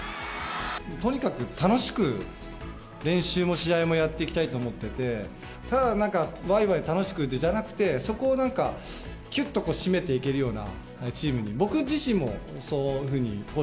とにかく楽しく練習も試合もやっていきたいと思ってて、ただなんか、わいわい楽しくじゃなくて、そこをなんか、きゅっと締めていけるようなチームに、僕自身もそういうふうにコ